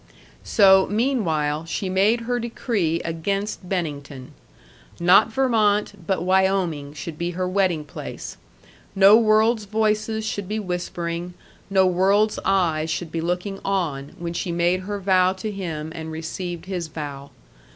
So, meanwhile, she made her decree against Bennington. Not Vermont, but Wyoming, should be her wedding place. No world's voices should be whispering, no world's eyes should be looking on, when she made her vow to him and received his vow.